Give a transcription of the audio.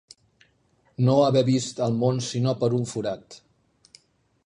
No haver vist el món sinó per un forat.